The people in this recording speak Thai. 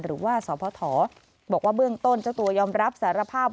หรือว่าสพบอกว่าเบื้องต้นเจ้าตัวยอมรับสารภาพ